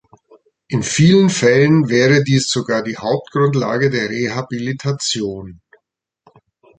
In vielen Fällen wäre dies sogar die Hauptgrundlage der Rehabilitation.